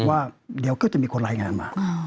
ว่าเดี๋ยวก็จะมีคนรายงานมา